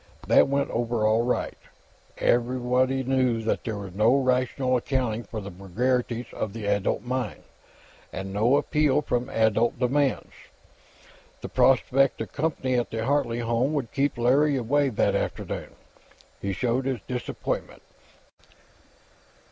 That went over all right. Anybody knew that there was no rational accounting for the vagaries of the adult mind, and no appeal from adult demands. The prospect of company at the Hartley home would keep Larry away, that afternoon. He showed his disappointment.